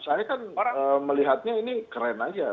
saya kan melihatnya ini keren aja